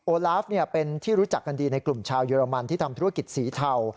ลาฟเป็นที่รู้จักกันดีในกลุ่มชาวเยอรมันที่ทำธุรกิจสีเทา